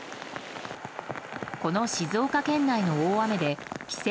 この静岡県内の大雨で規制